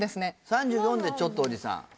３４でちょっとおじさん？